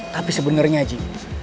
tapi sebenernya ji